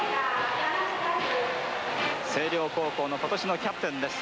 星稜高校の今年のキャプテンです。